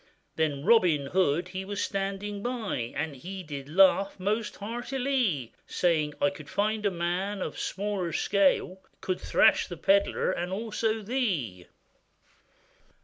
Then Robin Hood he was standing by, And he did laugh most heartilie, Saying, 'I could find a man of a smaller scale, Could thrash the pedlar, and also thee.